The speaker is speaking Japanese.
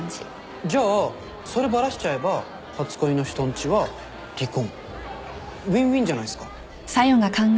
じゃあそれバラしちゃえば初恋の人んちは離婚ウィンウィンじゃないっすか。